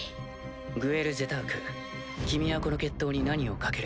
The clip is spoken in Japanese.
グエル・ジェターク君はこの決闘に何を賭ける？